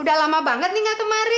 udah lama banget nih gak kemari